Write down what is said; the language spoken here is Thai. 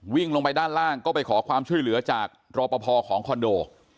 วิ่งลงไปด้านล่างก็ไปขอความช่วยเหลือจากรอปภของคอนโด